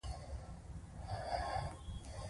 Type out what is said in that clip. چارمغز د وجود داخلي سوزشونه کموي.